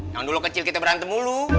yang dulu kecil kita berantemulu